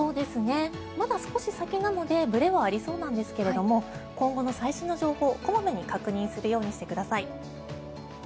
まだ少し先なのでぶれはありそうなんですけれども今後の最新の情報を小まめに確認するようにしてください。